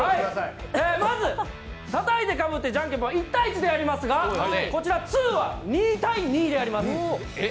まず、たたいてかぶってじゃんけんぽんは１対１でやりますがこちらは２は、２対２でやります。